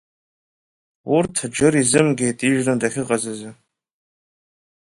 Урҭ Џыр изымгеит ижәны дахьыҟаз азы.